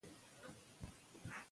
زده کړې ته لاسرسی د ښځو حق دی.